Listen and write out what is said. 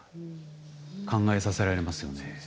考えさせられますよね。